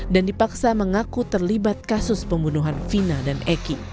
dan dipaksa mengaku terlibat kasus pembunuhan fina dan eki